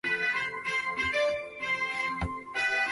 维勒纳夫迪拉图人口变化图示